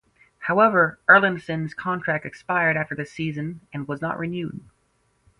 However, Erlandsen's contract expired after the season, and was not renewed.